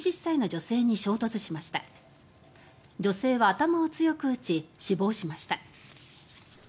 女性は頭を強く打ち死亡しました。